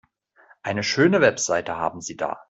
Eine schöne Website haben Sie da.